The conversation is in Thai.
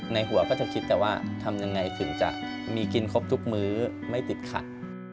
ในหัวก็จะคิดแต่ว่าทำยังไงถึงจะมีกินครบทุกมื้อไม่ติดขัด